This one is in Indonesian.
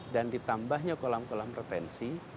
dan ditambahnya kolam kolam retensi